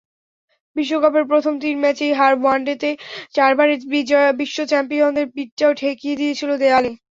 বিশ্বকাপের প্রথম তিন ম্যাচেই হার ওয়ানডেতে চারবারের বিশ্বচ্যাম্পিয়নদের পিঠটাও ঠেকিয়ে দিয়েছিল দেয়ালে।